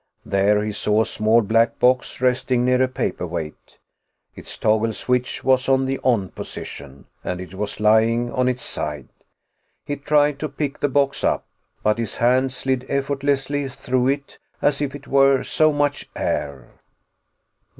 There he saw a small black box resting near a paperweight. Its toggle switch was at the "on" position, and it was lying on its side. He tried to pick the box up, but his hand slid effortlessly through it as if it were so much air.